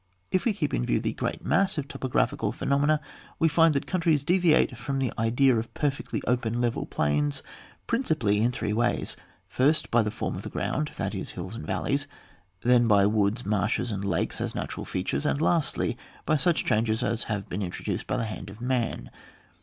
If we keep in view the great mass of topographical phenomena we find that countries deviate from the idea of per fectly open level plains principally in three ways : first by the form of the ground, that is, hills and valleys ; then by woods, marshes, and lakes as natural features ; and lastly, by such changes as have been introduced by the hand of man.